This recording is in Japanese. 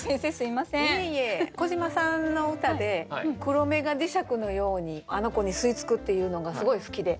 いえいえ小島さんの歌で「黒目が磁石のようにあの娘に吸い付く」っていうのがすごい好きで。